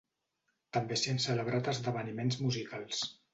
També s'hi han celebrat esdeveniments musicals.